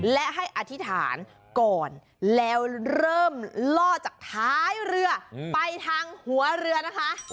และให้อธิษฐานก่อนแล้วเริ่มล่อจากท้ายเรือไปทางหัวเรือนะคะ